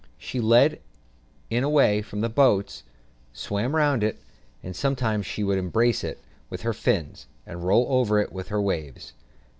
She led it away from the boats, swam round it, and sometimes she would embrace it with her fins, and roll over with it in the waves.